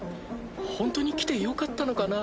ほんとに来てよかったのかな？